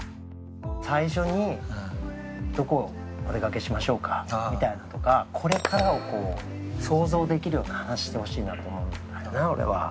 最初に「どこお出かけしましょうか？」みたいなのとかこれからを想像できるような話してほしいなと思うんだよな俺は。